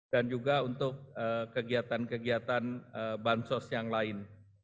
dan juga untuk kegiatan kegiatan bansos yang lain